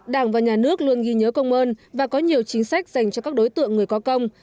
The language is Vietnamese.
đảng và nhà nước luôn ghi nhớ công ơn và có nhiều chính sách dành cho các đối tượng người có công